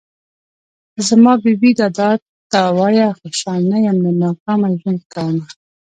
زما بې بې دادا ته وايه خوشحاله نه يم له ناکامه ژوند کومه